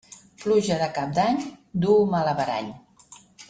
Pluja de Cap d'any duu mal averany.